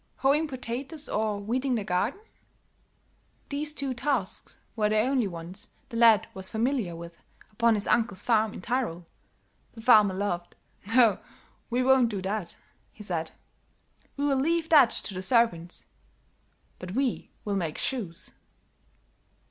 Hoeing potatoes or weeding the garden?" These two tasks were the only ones the lad was familiar with upon his uncle's farm in Tyrol. The farmer laughed. "No, we won't do that," he said. "We'll leave that to the servants; but we'll make shoes."